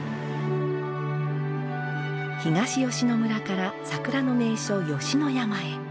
東吉野村から桜の名所吉野山へ。